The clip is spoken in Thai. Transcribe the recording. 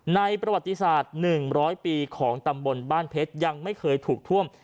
ประวัติศาสตร์๑๐๐ปีของตำบลบ้านเพชรยังไม่เคยถูกท่วม